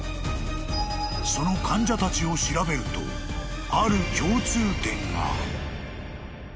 ［その患者たちを調べるとある共通点が］